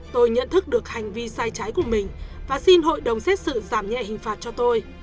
tôi nhận thức được hành vi sai trái của mình và xin hội đồng xét xử giảm nhẹ hình phạt cho tôi